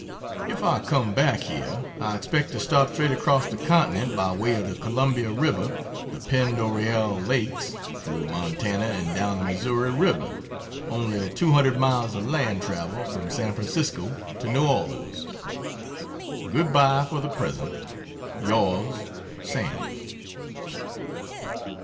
If I come back here I expect to start straight across the continent by way of the Columbia river, the Pend d'Oreille Lakes, through Montana and down the Missouri river, only 200 miles of land travel from San Francisco to New Orleans. Goodbye for the present. Yours, SAM.